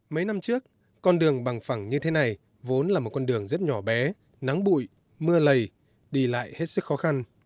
mấy năm trước con đường bằng phẳng như thế này vốn là một con đường rất nhỏ bé nắng bụi mưa lầy đi lại hết sức khó khăn